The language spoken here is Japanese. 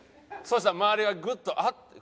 そしたら周りはグッと「あっ！」って。